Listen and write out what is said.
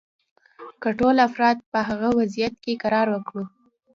که ټول افراد په هغه وضعیت کې قرار ورکړو.